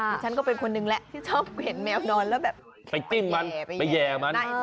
นี่ฉันก็เป็นคนหนึ่งแหละชอบเห็นแมวนอนแบบไปแจ้มมัน